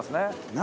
何？